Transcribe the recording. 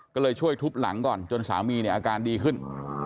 ก็เลยช่วยทุบหลังก่อนจนสามีเนี่ยอาการดีขึ้น